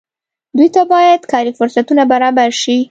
دوی ته باید کاري فرصتونه برابر شي.